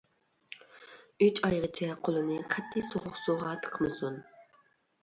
ئۈچ ئايغىچە قولىنى قەتئىي سوغۇق سۇغا تىقمىسۇن.